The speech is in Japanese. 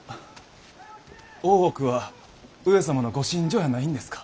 大奥は上様のご寝所やないんですか。